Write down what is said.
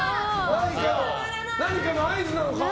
何かの合図なのかも。